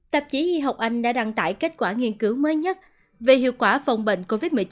tạp chí y học anh đã đăng tải kết quả nghiên cứu mới nhất về hiệu quả phòng bệnh covid một mươi chín